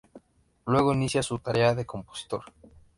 Luego inicia su tarea de compositor.